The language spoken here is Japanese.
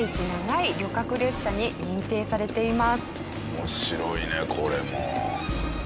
面白いねこれも。